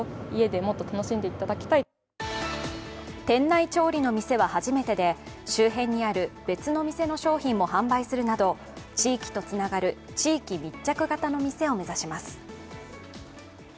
店内調理の店は初めてで、周辺にある別の店の商品も販売するなど、地域とつながる地域密着型の店を目指します。